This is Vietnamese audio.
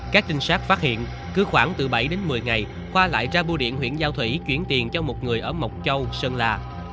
các trinh sát phát hiện cứ khoảng từ bảy đến một mươi ngày khoa lại ra bưu điện huyện giao thủy chuyển tiền cho một người ở mộc châu sơn la